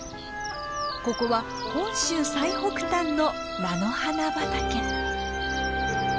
ここは本州最北端の菜の花畑。